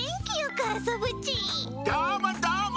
どーもどーも！